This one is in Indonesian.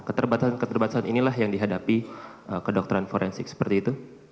keterbatasan keterbatasan inilah yang dihadapi kedokteran forensik seperti itu